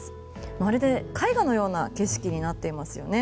まるで絵画のような景色になっていますよね。